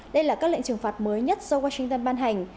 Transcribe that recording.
đây là các lệnh trừng phạt mới nhất do washington ban hành